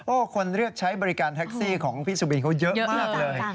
คนเลือกใช้บริการแท็กซี่ของพี่สุบินเขาเยอะมากเลย